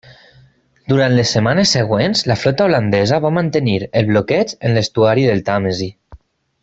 Durant les setmanes següents la flota holandesa va mantenir el bloqueig en l'estuari del Tàmesi.